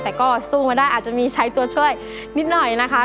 แต่ก็สู้มาได้อาจจะมีใช้ตัวช่วยนิดหน่อยนะคะ